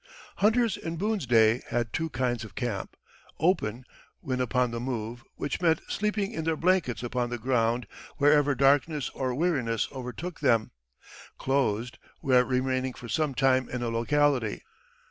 Hunters in Boone's day had two kinds of camp "open" when upon the move, which meant sleeping in their blankets upon the ground wherever darkness or weariness overtook them; "closed" where remaining for some time in a locality.